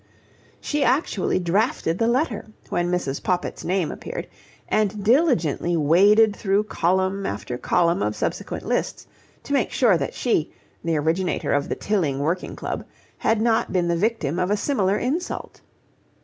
She actually drafted the letter, when Mrs. Poppit's name appeared, and diligently waded through column after column of subsequent lists, to make sure that she, the originator of the Tilling Working Club, had not been the victim of a similar insult.